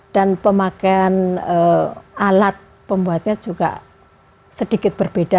dan pemakaian alat pembuatnya juga sedikit berbeda